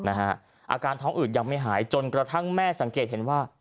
อาการท้องอืดยังไม่หายจนกระทั่งแม่สังเกตเห็นว่า